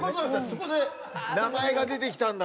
そこで名前が出てきた。